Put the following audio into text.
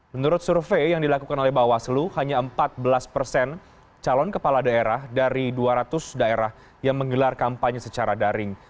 menurut survei yang dilakukan oleh bawaslu hanya empat belas persen calon kepala daerah dari dua ratus daerah yang menggelar kampanye secara daring